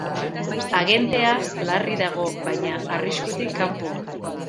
Agentea larri dago baina arriskutik kanpo.